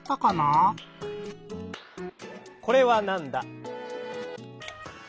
「これはなんだ？」。